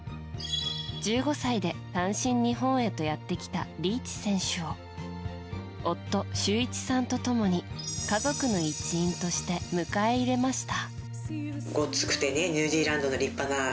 １５歳で単身日本へとやってきたリーチ選手を夫・修一さんと共に家族の一員として迎え入れました。